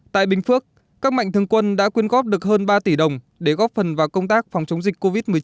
tại bình phước các mạnh thường quân đã quyên góp được hơn ba tỷ đồng để góp phần vào công tác phòng chống dịch covid một mươi chín